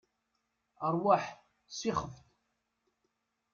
Ṛwaḥ, sixef-d.